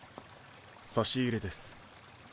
差し入れです。